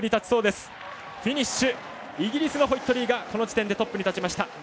イギリスのホイットリーがこの時点でトップに立ちました。